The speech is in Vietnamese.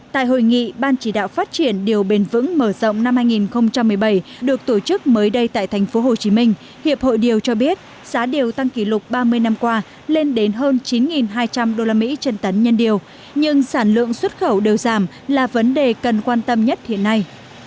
tại hội nghị ban chỉ đạo phát triển điều bền vững mở rộng năm hai nghìn một mươi bảy được tổ chức mới đây tại tp hcm hiệp hội điều cho biết giá điều tăng kỷ lục ba mươi năm qua lên đến hơn chín hai trăm linh usd trên tấn nhân điều nhưng sản lượng xuất khẩu đều giảm là vấn đề cần quan tâm nhất hiện nay